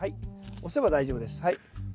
押せば大丈夫ですはい。